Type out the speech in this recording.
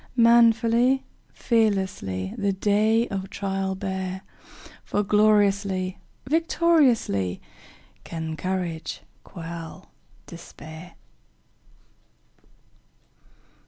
Manfully, fearlessly, The day of trial bear, For gloriously, victoriously, Can courage quell despair!